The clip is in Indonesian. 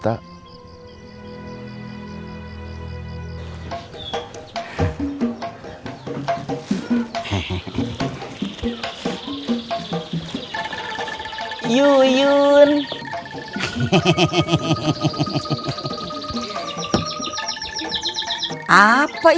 tapi belum ada siapa bana